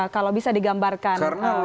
kalau bisa digambarkan